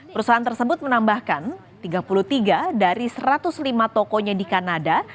perusahaan tersebut menambahkan tiga puluh tiga dari satu ratus lima tokonya di kanada